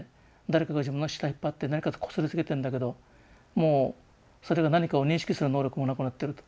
誰かが自分の舌引っ張って何かこすりつけてんだけどもうそれが何かを認識する能力もなくなってると。